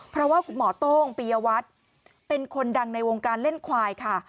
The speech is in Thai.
เพราะว่าคุณหมอโต้งปียวัตรเป็นคนดังในวงการเล่นควายค่ะ